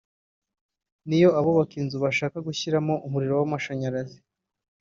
n’iyo abubaka inzu bashaka gushyiramo umuriro w’amashanyarazi